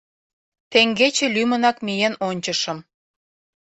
Теҥгече лӱмынак миен ончышым.